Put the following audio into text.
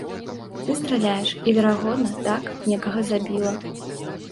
Ты страляеш і, верагодна, так некага забіла.